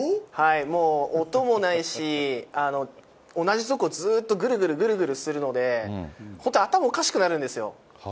もう音もないし、同じとこずっとぐるぐるぐるぐるするので、本当、頭おかしくなるんですよ。